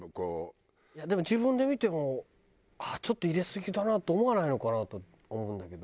でも自分で見てもあっちょっと入れすぎだなと思わないのかな？と思うんだけど。